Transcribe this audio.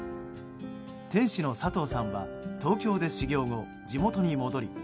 店主の佐藤さんは東京で修業後、地元に戻り